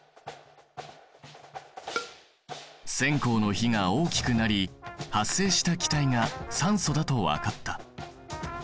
線香の火が大きくなり発生した気体が酸素だと分かった。